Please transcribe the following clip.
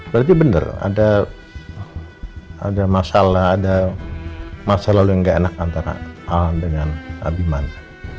berarti benar ada masalah ada masalah yang gak enak antara al dengan abimane